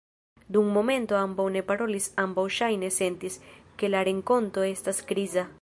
Dum momento ambaŭ ne parolis; ambaŭ ŝajne sentis, ke la renkonto estas kriza.